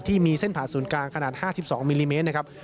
ที่มีเส้นผ่าศูนย์กลางขนาด๕๒มิลลิเมตรนะครับ